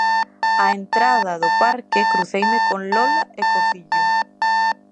Á entrada do parque cruceime con Lola e co fillo.